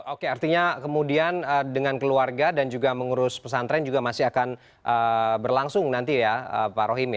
oke artinya kemudian dengan keluarga dan juga mengurus pesantren juga masih akan berlangsung nanti ya pak rohim ya